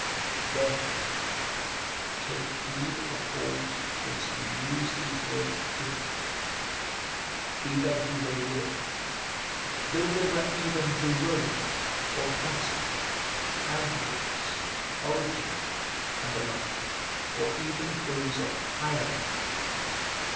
Therefore take heed of all teachers who use these words differently, be they who they will, though they were even Jerome, Augustine, Ambrose, Origen, and the like, or even those of higher rank.